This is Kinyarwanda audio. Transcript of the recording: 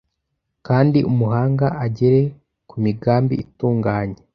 Kandi umuhanga agere ku migambi itunganye